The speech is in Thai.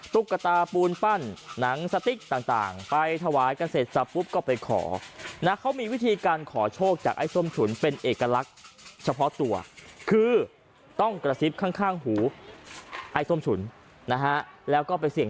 ตุ๊กตาปูนปั้นหนังสติ๊กต่างไปถวายกันเสร็จซะปุ๊บก็ไปขอ